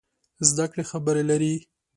زده کړې خبرې لري.